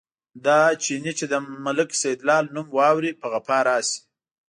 دا چيني چې د ملک سیدلال نوم واوري، په غپا راشي.